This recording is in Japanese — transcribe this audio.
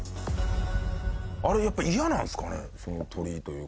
あれやっぱりイヤなんですかね鳥というか。